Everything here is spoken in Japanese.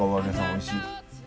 おいしい？